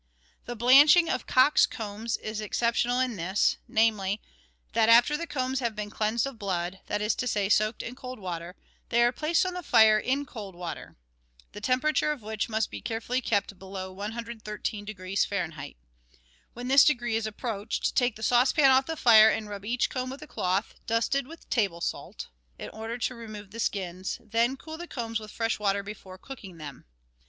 The blanching of cocks' combs is exceptional in this, namely, that after the combs have been cleansed of blood — that is to say, soaked in cold water, they are placed on the fire in cold water, the temperature of which must be carefully kept below 113° F. When this degree is approached, take the saucepan off the fire and rub each comb with a cloth, dusted with table salt, in order to remove the skins; then cool the combs with fresh water before cooking them.